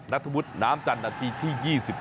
นัทธวุฒิน้ำจันทร์นาทีที่๒๙